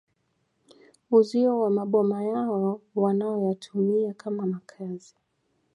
Uzio wa maboma yao wanayoyatumia kama makazi